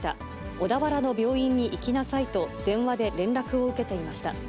小田原の病院に行きなさいと電話で連絡を受けていました。